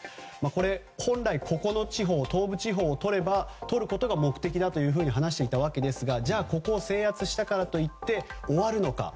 これ、本来ここの東部地方をとることが目的だと話していたわけですがここを制圧したからといって終わるのか。